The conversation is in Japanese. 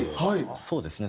そうですね